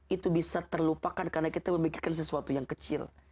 itu bisa terlupakan karena kita memikirkan sesuatu yang kecil